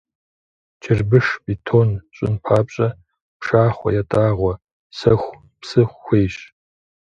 Чырбыш, бетон щӀын папщӀэ пшахъуэ, ятӀагъуэ, сэху, псы хуейщ.